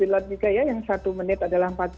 lot juga ya yang satu menit adalah empat belas